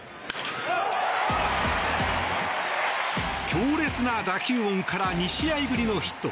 強烈な打球音から２試合ぶりのヒット。